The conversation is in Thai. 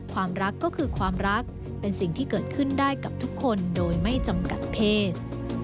ความรักก็คือความรักเป็นสิ่งที่เกิดขึ้นได้กับทุกคนโดยไม่จำกัดเพศ